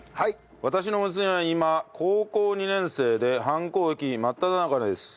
私の娘は今高校２年生で反抗期真っただ中です。